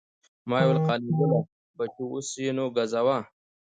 ما ویل قانع ګله بچو اوس یې نو ګزوه.